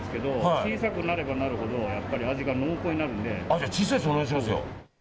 じゃあ小さいやつお願いします。